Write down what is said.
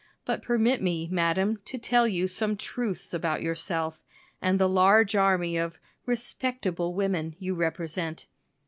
But permit me, madam, to tell you some truths about yourself and the large army of "respectable women" you represent.